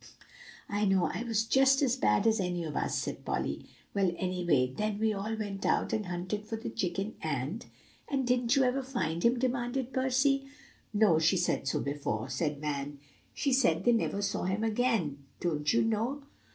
"I know I was just as bad as any of us," said Polly. "Well, anyway, then we all went out and hunted for the chicken, and" "And didn't you ever find him?" demanded Percy. "No, she said so before," said Van; "she said they never saw him again, don't you know?"